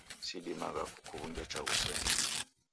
Sidimagha kukuw'unja chaghu sena.